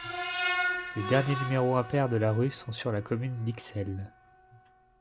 Les derniers numéros impairs de la rue sont sur la commune d'Ixelles.